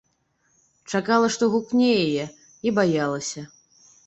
Чакала, што гукне яе, і баялася.